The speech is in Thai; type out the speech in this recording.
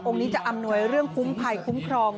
นี้จะอำนวยเรื่องคุ้มภัยคุ้มครอง